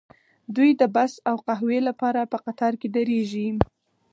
دوی د بس او قهوې لپاره په قطار کې دریږي